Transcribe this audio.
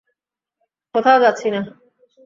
কোথাও যাচ্ছি না।